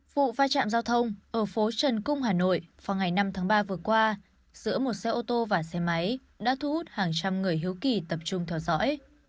vụ va chạm giao thông ở phố trần cung hà nội vào ngày năm tháng ba vừa qua giữa một xe ô tô và xe máy đã thu hút hàng trăm người hiếu kỳ tập trung theo dõi